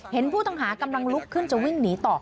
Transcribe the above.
เห็นผู้ต้องหากำลังลุกขึ้นจะวิ่งหนีต่อ